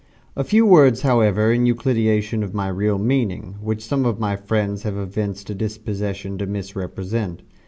A few words, however, in elucidation of my real meaning, which some of my friends have evinced a disposition to misrepresent.